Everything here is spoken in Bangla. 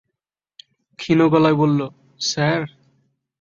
ক্ষীণ গলায় বলল, স্যার।